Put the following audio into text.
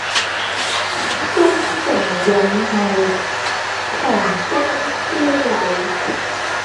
忠誠勇毅強姦非禮